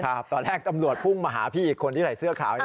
ตอนแรกตำรวจพุ่งมาหาพี่อีกคนที่ใส่เสื้อขาว